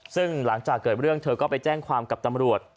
ซึ่งหลังจากเกิดเรื่องเธอก็ไปแจ้งความกับตำรวจ